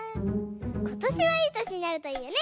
ことしはいいとしになるといいね！